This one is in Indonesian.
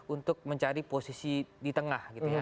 untuk mencari posisi di tengah